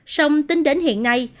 xong tính đến hiện nay